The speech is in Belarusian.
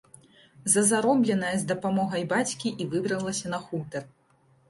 За заробленае з дапамогай бацькі і выбралася на хутар.